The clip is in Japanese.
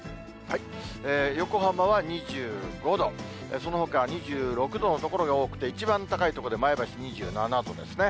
横浜は２５度、そのほかは２６度の所が多くて、一番高い所で前橋２７度ですね。